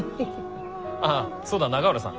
ああそうだ永浦さん。